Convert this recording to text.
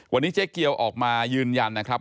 วันนี้เจ๊เกียวออกมายืนยันนะครับ